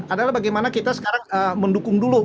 adalah bagaimana kita sekarang mendukung dulu